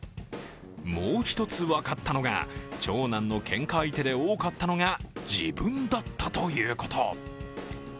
もう一つ分かったのが長男のけんか相手で多かったのが自分だったということ。